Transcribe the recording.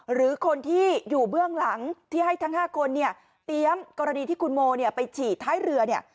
หรือคนที่อยู่เบื้องหลังที่ให้ทั้ง๕คนเนี่ยเตรียมกรณีที่คุณโมเนี่ยไปฉีดท้ายเรือเนี่ย